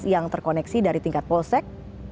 yang terkoneksi dari tingkat polsek